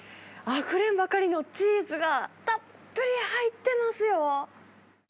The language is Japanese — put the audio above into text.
あふれんばかりのチーズが、たっぷり入ってますよ。